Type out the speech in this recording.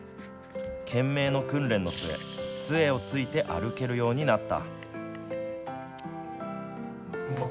懸命の訓練の末つえをついて歩けるようになった。